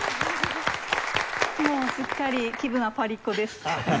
もうすっかり気分はパリっ子です。